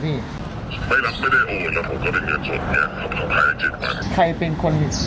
พวกนี้ถ้าต้องการเงินสดใน๗วัน